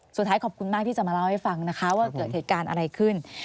สุดท้ายขอบคุณมากที่จะมาเล่าให้ฟังนะคะว่าเกิดเหตุการณ์อะไรขึ้น